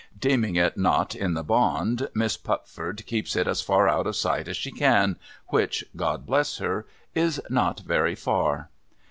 Deeming it not in the bond. Miss Pupford keeps it as far out of sight as she can — which (God bless her !) is not very far.